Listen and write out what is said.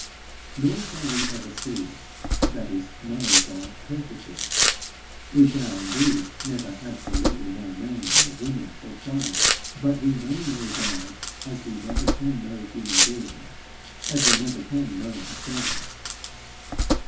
Nor shall we ever see, that is know God perfectly. We shall indeed never absolutely know man or woman or child; but we may know God as we never can know human being as we never can know ourselves.